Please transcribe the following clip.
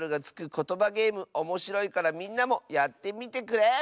ことばゲームおもしろいからみんなもやってみてくれ！